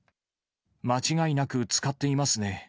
間違いなく使っていますね。